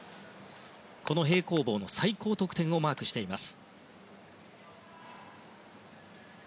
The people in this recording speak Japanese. この平行棒の最高得点をマークしています。